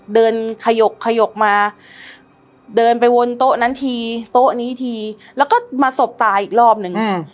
เดินขยกขยกมาเดินไปวนโต๊ะนั้นทีโต๊ะนี้ทีแล้วก็มาสบตาอีกรอบนึง